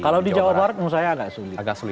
kalau di jawa barat menurut saya agak sulit